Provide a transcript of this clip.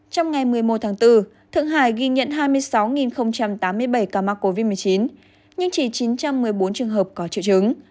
trong ngày một mươi một tháng bốn thượng hải ghi nhận hai mươi sáu tám mươi bảy ca mắc covid một mươi chín nhưng chỉ chín trăm một mươi bốn trường hợp có triệu chứng